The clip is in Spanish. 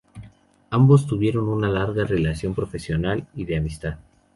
Ambos tuvieron una larga relación profesional y de amistad.